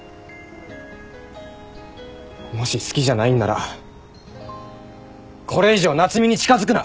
もし好きじゃないんならこれ以上夏海に近づくな！